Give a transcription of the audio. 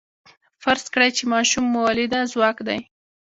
فرض کړئ چې ماشوم مؤلده ځواک دی.